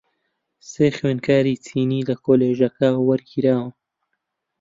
سێ خوێندکاری چینی لە کۆلیژەکە وەرگیراون.